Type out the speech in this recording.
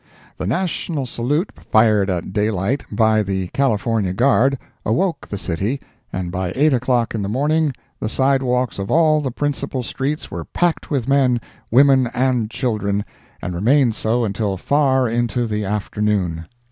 The National salute fired at daylight, by the California Guard, awoke the city, and by eight o'clock in the morning the sidewalks of all the principal streets were packed with men, women and children, and remained so until far into the afternoon.